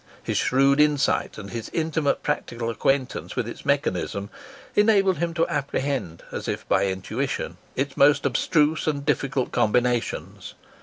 His shrewd insight, and his intimate practical acquaintance with its mechanism, enabled him to apprehend, as if by intuition, its most abstruse and difficult combinations.